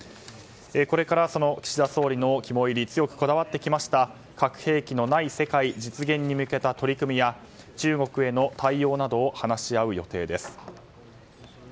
これから、その岸田総理の肝煎り強くこだわってきました核兵器のない世界実現に向けた取り組みや中国への対応などを話し合う予定です。